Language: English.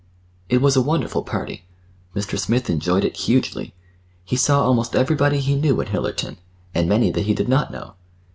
It was a wonderful party. Mr. Smith enjoyed it hugely. He saw almost everybody he knew in Hillerton, and many that he did not know.